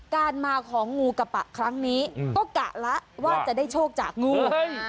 การมาของงูกระปะครั้งนี้ก็กะแล้วว่าจะได้โชคจากงู